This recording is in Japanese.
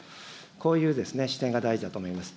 こういう視点が大事だと思います。